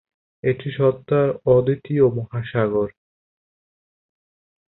এটি সত্তার অদ্বিতীয় মহাসাগর।